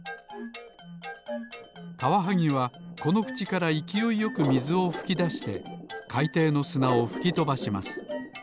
カワハギはこのくちからいきおいよくみずをふきだしてかいていのすなをふきとばします。